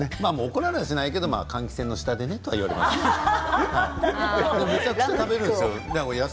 怒られはしないけど換気扇の下でねと言われる。